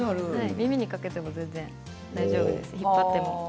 耳にかけても大丈夫です。